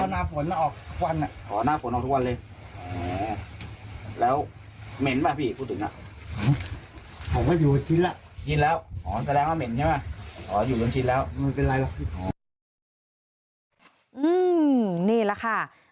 นี่แหละค่ะ